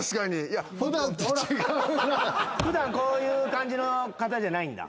普段こういう感じの方じゃないんだ。